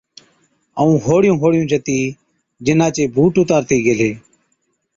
ائُون هوڙِيُون هوڙِيُون جتِي جِنا چي پُوٽ اُتارتِي گيهلي۔